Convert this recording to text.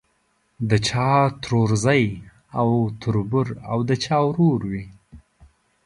د چا ترورزی او تربور او د چا ورور وي.